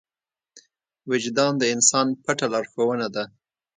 وجدان د انسان پټه لارښوونه ده.